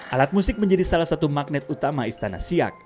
alat musik menjadi salah satu magnet utama istana siak